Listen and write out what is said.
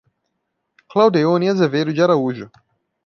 Claudeone Azevedo de Araújo